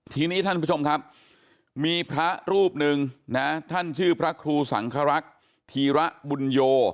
ทีนี้ท่านผู้ชมครับมีพระรูปหนึ่งนะท่านชื่อพระครูสังครักษ์ธีระบุญโย